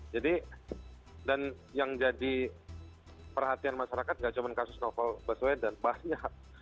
jadi dan yang jadi perhatian masyarakat nggak cuma kasus novel besweden banyak